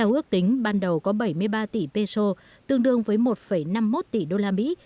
ước tính ban đầu có bảy mươi ba tỷ peso tương đương với một năm mươi một tỷ đô la mỹ